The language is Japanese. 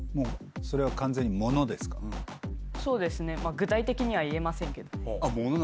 具体的には言えませんけど。